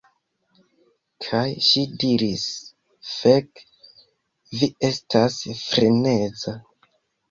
Kaj ŝi diris: "Fek, vi estas freneza."